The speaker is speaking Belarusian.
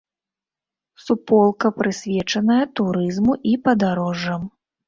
Суполка прысвечаная турызму і падарожжам.